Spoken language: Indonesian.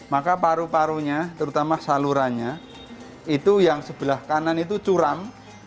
maka paru parunya terutama salurannya itu yang sebelah kanan itu curam